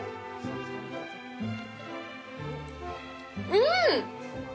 うん！